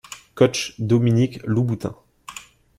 Coach: Dominique Louboutin.